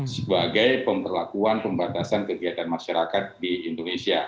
sebagai pemberlakuan pembatasan kegiatan masyarakat di indonesia